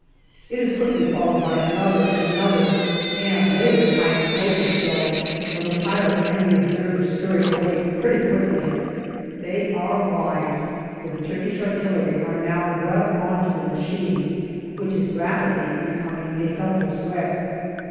It is quickly followed by another and another, and later high explosive shells, when the pilot and the observer scurry away pretty quickly. They are wise, for the Turkish artillery are now well on to the machine, which is rapidly becoming a helpless wreck.